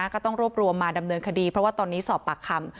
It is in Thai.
ก็ต้องรวบรวมมาดำเนินคดีเพราะว่าตอนนี้สอบปากคำ